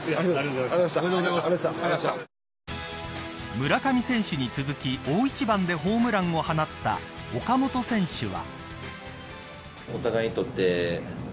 村上選手に続き大一番でホームランを放った岡本選手は。